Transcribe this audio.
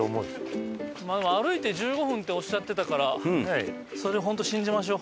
でも歩いて１５分っておっしゃってたからそれをホント信じましょう。